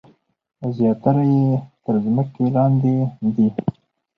زیاتره یې تر ځمکې لاندې دي.